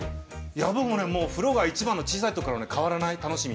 いやあ僕もねもう風呂が一番の小さい時からね変わらない楽しみ。